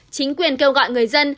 chính quyền kêu gọi người dân